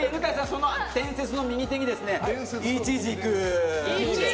その伝説の右手にイチジク。